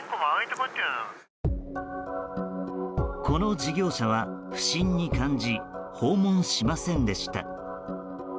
この事業者は不審に感じ訪問しませんでした。